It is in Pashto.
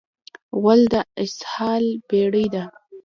غول د اسهال بېړۍ ده.